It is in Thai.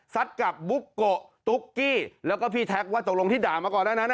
กับบุ๊กโกะตุ๊กกี้แล้วก็พี่แท็กว่าตกลงที่ด่ามาก่อนหน้านั้น